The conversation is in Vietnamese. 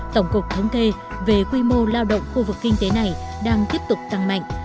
tổng cục thống kê về quy mô lao động khu vực kinh tế này đang tiếp tục tăng mạnh